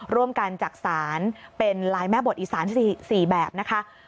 ร่วมกันจักษานเป็นลายแม่บดอีสาน๔แบบนะคะ